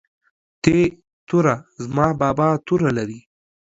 ت توره زما بابا توره لري